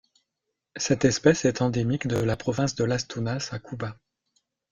Cette espèce est endémique de la province de Las Tunas à Cuba.